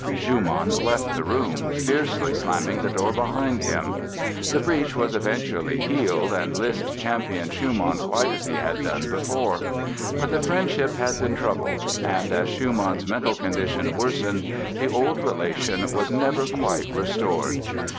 Schumann left the room, fiercely slamming the door behind him. The breach was eventually healed and Liszt championed Schumann quite as he had done earlier. But the friendship had been troubled and, as Schumann's mental condition worsened, the old relation was never quite restored.